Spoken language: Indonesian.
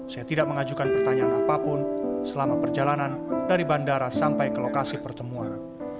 saya tidak mengajukan pertanyaan apapun selama perjalanan dari bandara sampai ke lokasi pertemuan